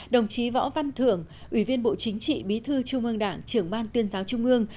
đồng chí võ văn thưởng ủy viên bộ chính trị bí thư trung ương đảng trưởng ban tuyên giáo trung ương